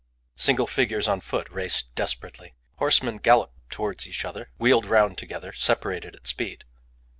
Single figures on foot raced desperately. Horsemen galloped towards each other, wheeled round together, separated at speed.